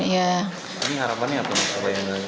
ini harapannya apa